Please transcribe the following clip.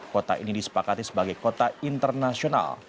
kota ini disepakati sebagai kota internasional